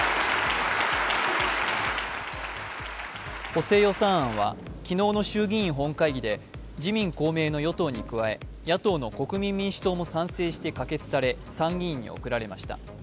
補正予算案は昨日の衆議院本会議で自民・公明の与党に加え野党の国民民主党も賛成して可決され、参議院に送られました。